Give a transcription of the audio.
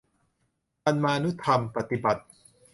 ธรรมานุธรรมปฏิบัติ